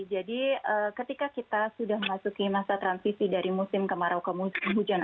jadi ketika kita sudah memasuki masa transisi dari musim kemarau ke musim hujan